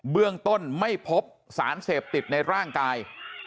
เบื้องต้นไม่พบสารเสพติดในร่างกาย